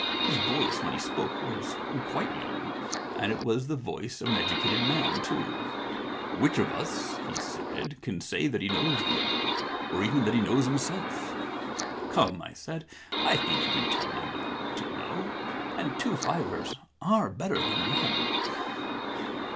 His voice when he spoke was quite young. And it was the voice of an educated man too. Which of us," he said, can say that he knows the other — or even that he knows himself? "*" Come," I said. " I think you can tell me what I want to know. And two fivers are better than one."